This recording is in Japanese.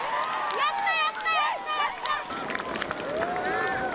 やったー、やった、やった。